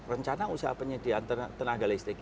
rencana usaha penyediaan tenaga listrik